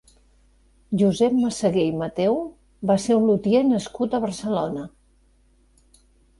Joseph Massaguer i Matheu va ser un lutier nascut a Barcelona.